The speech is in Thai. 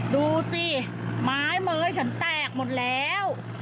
ดูสิไม้เม้ยฉันแตกหมดแล้ว